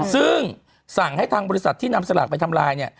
ซึ่งสั่งให้ทางบริษัทที่นำสลากไปทำลายเนี่ย